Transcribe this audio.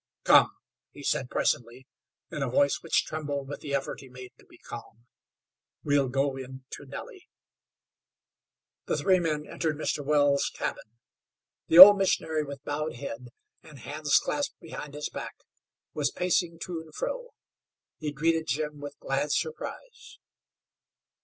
"Come," he said, presently, in a voice which trembled with the effort he made to be calm. "We'll go in to Nellie." The three men entered Mr. Wells' cabin. The old missionary, with bowed head and hands clasped behind his back, was pacing to and fro. He greeted Jim with glad surprise.